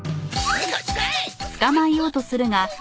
こっち来い！ほい！